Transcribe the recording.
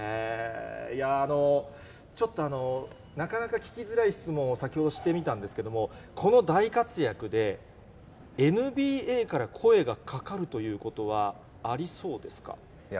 いやー、ちょっと、なかなか聞きづらい質問を先ほどしてみたんですけれども、この大活躍で、ＮＢＡから声がかかるということはありそうですか。